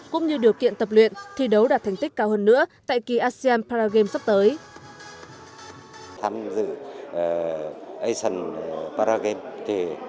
cũng như điều kiện tập luyện thi đấu đạt thành tích cao hơn nữa tại kỳ asean paragame sắp tới